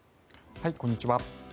こんにちは。